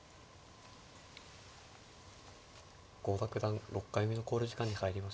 郷田九段６回目の考慮時間に入りました。